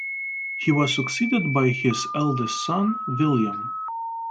He was succeeded by his eldest son, William.